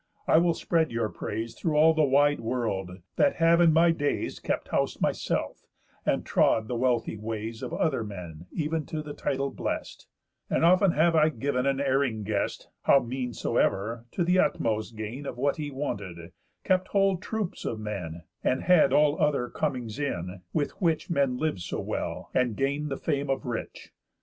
I will spread your praise Through all the wide world, that have in my days Kept house myself, and trod the wealthy ways Of other men ev'n to the title Blest; And often have I giv'n an erring guest (How mean soever) to the utmost gain Of what he wanted, kept whole troops of men, And had all other comings in, with which Men live so well, and gain the fame of rich.